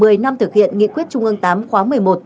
và đang thực hiện nghị quyết trung ương tám khóa một mươi một